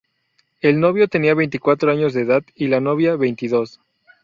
El novio tenía veinticuatro años de edad y la novia veintidós.